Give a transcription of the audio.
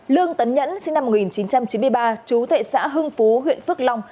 lương tấn nhẫn sinh năm một nghìn chín trăm chín mươi ba chú thệ xã hưng phú huyện phước long